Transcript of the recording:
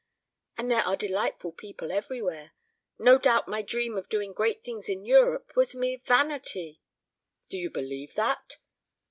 And there are delightful people everywhere. ... No doubt my dream of doing great things in Europe was mere vanity " "Do you believe that?"